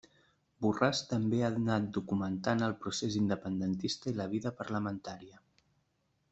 Borràs també ha anat documentant el procés independentista i la vida parlamentària.